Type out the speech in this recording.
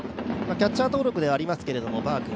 キャッチャー登録ではありますけれども、バーク